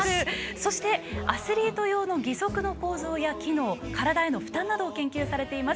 そして、アスリート用の義足の構造や機能体への負担などを研究されています